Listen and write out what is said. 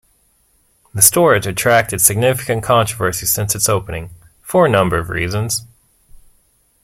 The store has attracted significant controversy since its opening for a number of reasons.